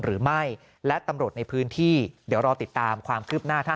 หรือไม่และตำรวจในพื้นที่เดี๋ยวรอติดตามความคืบหน้าถ้า